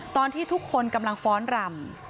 ตอนที่ทุกคนกำลังฟ้อนรำ